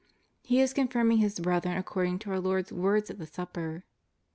He is confirming his brethren according to our Lord's words at the Supper.